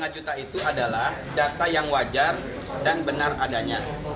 lima juta itu adalah data yang wajar dan benar adanya